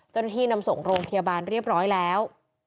นำส่งโรงพยาบาลเรียบร้อยแล้ว